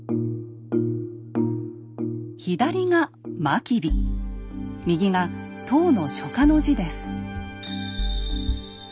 左が真備右が唐の書家の字です。